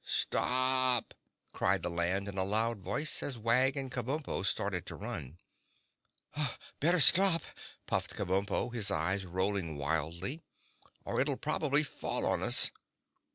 "Stop!" cried the Land in a loud voice, as Wag and Kabumpo started to run. "Better stop," puffed Kabumpo, his eyes rolling wildly, "or it'll probably fall on us."